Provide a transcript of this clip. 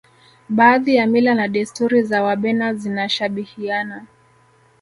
baadhi ya mila na desturi za wabena zinashabihiana